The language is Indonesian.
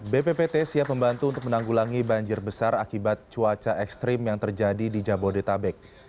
bppt siap membantu untuk menanggulangi banjir besar akibat cuaca ekstrim yang terjadi di jabodetabek